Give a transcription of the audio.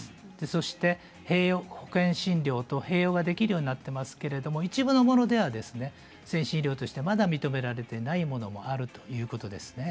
そして保険診療と併用ができるようになっていますけれども一部のものでは先進医療としてまだ認められていないものもあるということですね。